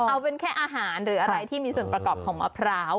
เอาเป็นแค่อาหารหรืออะไรที่มีส่วนประกอบของมะพร้าว